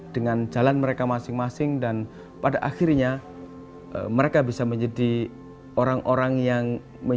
dengan jalan mereka masing masing dan pada akhirnya mereka bisa menjadi orang orang yang mencari